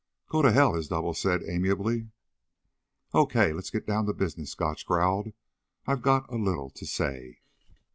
"Go to hell," his double said amiably. "Okay, let's get down to business," Gotch growled. "I've got a little to say."